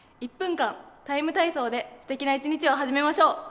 １分間「ＴＩＭＥ，体操」ですてきな一日を始めましょう。